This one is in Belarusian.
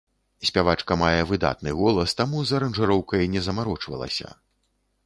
Спявачка мае выдатны голас, таму з аранжыроўкай не замарочвалася.